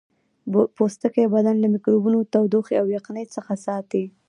پوستکی بدن له میکروبونو تودوخې او یخنۍ څخه ساتي